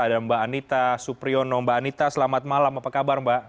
ada mbak anita supriyono mbak anita selamat malam apa kabar mbak